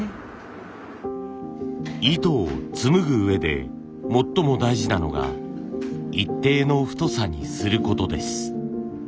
糸をつむぐうえで最も大事なのが一定の太さにすることです。